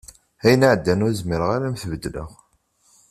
Ayen iɛeddan ur zmireɣ ara ad am-t-tbeddleɣ